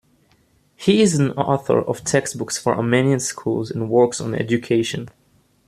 He is an author of textbooks for Armenian schools and works on education.